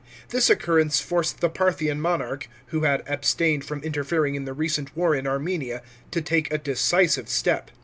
This occurrence forced the Parthian monarch, who had abstained from interfering in the recent war in Armenia, to take a decisive step.